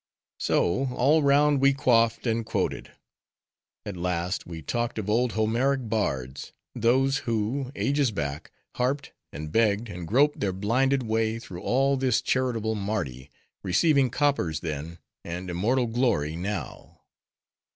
So, all round we quaffed and quoted. At last, we talked of old Homeric bards:—those who, ages back, harped, and begged, and groped their blinded way through all this charitable Mardi; receiving coppers then, and immortal glory now.